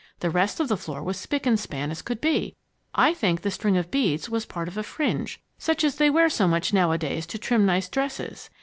The rest of the floor was spick and span as could be. I think the string of beads was part of a fringe, such as they wear so much nowadays to trim nice dresses.